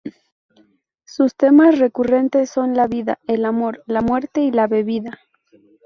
Sus temas recurrentes son la vida, el amor, la muerte y la bebida.